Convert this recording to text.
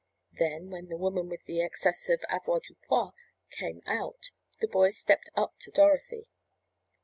Then, when the woman with the excess of avoirdupois came out, the boy stepped up to Dorothy.